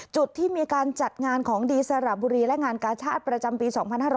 จุดที่มีการจัดงานของดีสระบุรีและงานกาชาติประจำปี๒๕๕๙